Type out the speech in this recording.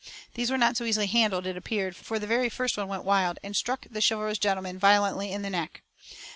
These were not so easily handled, it appeared, for the very first one went wild, and struck the chivalrous gentleman violently in the neck.